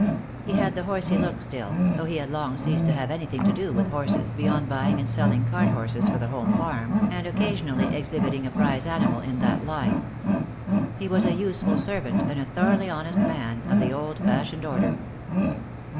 He had the horsey look still, though he had long ceased to have anything to do with horses beyond buying and selling cart horses for the home farm, and occasionally exhibiting a prize animal in that line. He was a useful servant, and a thoroughly honest man, of the old fashioned order.